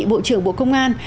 bộ trưởng bộ công an